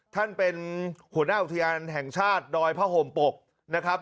ท่านเป็นหัวหน้าอุทยานแห่งชาติดอยผ้าห่มปกนะครับ